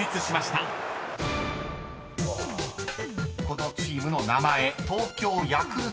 ［このチームの名前］